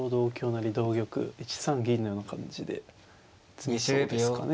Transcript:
同玉１三銀のような感じで詰みそうですかね。